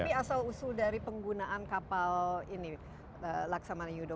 jadi apa yang dulu dari penggunaan kapal ini laksamana yudho